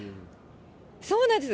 そうなんです。